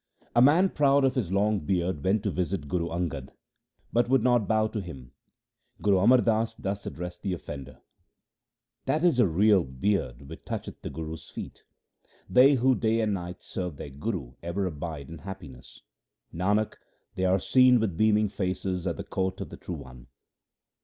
A man proud of his long beard went to visit Guru Angad, but would not bow to him. Guru Amar Das thus addressed the offender :— That is a real beard which toucheth the Guru's feet. They who day and night serve their Guru ever abide in happiness ; Nanak, they are seen with beaming faces at the court of the True One.